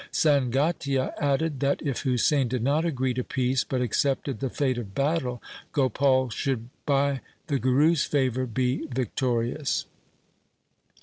Sangatia added that if Husain did not agree to peace, but accepted the fate of battle, Gopal should by the Guru's favour be victorious.